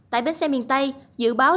tại bến xe miền tây dự báo